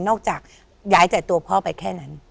นอกจากย้ายแต่ตัวพ่อไปแค่นั้น